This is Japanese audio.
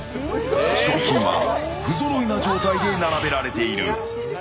賞金は不ぞろいな状態で並べられている。